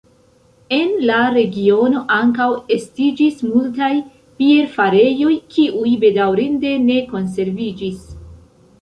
En la regiono ankaŭ estiĝis multaj bierfarejoj, kiuj bedaŭrinde ne konserviĝis.